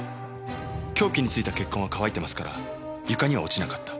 凶器についた血痕は乾いてますから床には落ちなかった。